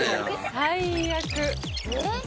最悪。